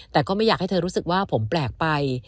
แต่ก็ไม่อยากให้เธอรู้สึกว่าผมแปลกไป